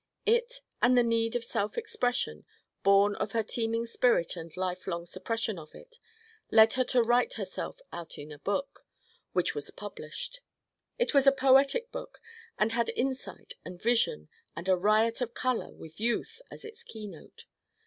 It and the need of self expression, born of her teeming spirit and life long suppression of it, led her to write herself out in a book, which was published. It was a poetic book and had insight and vision and a riot of color with youth as its keynote.